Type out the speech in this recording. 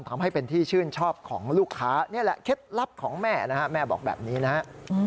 ทำให้เป็นที่ชื่นชอบของลูกค้านี่แหละเคล็ดลับของแม่นะฮะแม่บอกแบบนี้นะฮะ